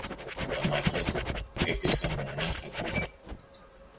τα μάτια του έκλεισαν μονάχα τους